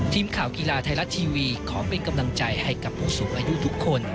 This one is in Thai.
ทีมข่าวกีฬาไทยรัฐทีวีขอเป็นกำลังใจให้กับผู้สูงอายุทุกคน